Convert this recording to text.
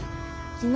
昨日？